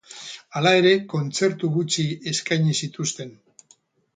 Hala ere, kontzertu gutxi eskaini zituzten.